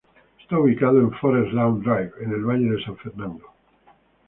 Está ubicado en Forest Lawn Drive en el Valle de San Fernando.